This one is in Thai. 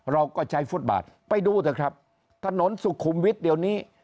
เราก็ใช้ฟุตบาทไปดูเถอะครับถนนสุขุมวิทย์เดี๋ยวนี้